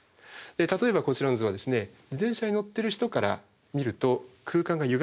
例えばこちらの図は自転車に乗ってる人から見ると空間がゆがんでくるよと。